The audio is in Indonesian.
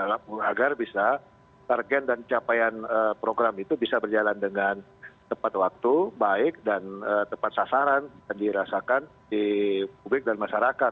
agar bisa target dan capaian program itu bisa berjalan dengan tepat waktu baik dan tepat sasaran dan dirasakan di publik dan masyarakat